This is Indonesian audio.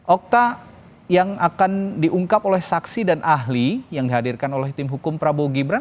okta yang akan diungkap oleh saksi dan ahli yang dihadirkan oleh tim hukum prabowo gibran